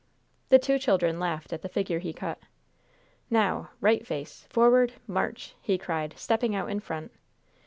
The two children laughed at the figure he cut. "Now! Right face! Forward! March!" he cried, stepping out in front.